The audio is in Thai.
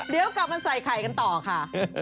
เดี๋ยวกลับมาใส่ไข่กันต่อค่ะ